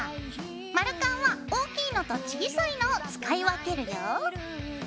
丸カンは大きいのと小さいのを使い分けるよ。